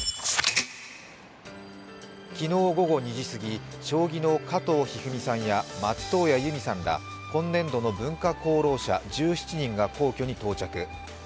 昨日午後２時すぎ将棋の加藤一二三さんや松任谷由実さんら今年度の文化功労者１７人が皇居に到着。